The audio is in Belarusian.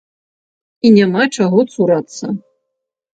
І няма чаго цурацца.